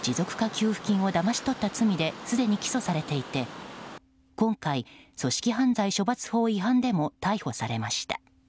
給付金をだまし取った罪ですでに起訴されていて今回、組織犯罪処罰法違反でも逮捕されました。